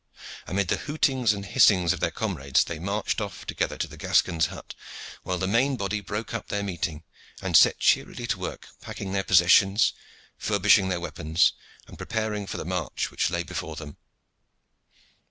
Amid the hootings and hissings of their comrades, they marched off together to the Gascon's hut, while the main body broke up their meeting and set cheerily to work packing their possessions, furbishing their weapons, and preparing for the march which lay before them.